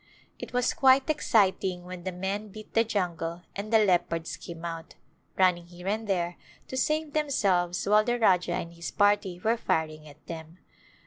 It was quite exciting when the men beat the jungle and the leopards came out, run ning here and there to save themselves while the Rajah and his party were firing at them.